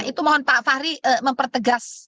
itu mohon pak fahri mempertegas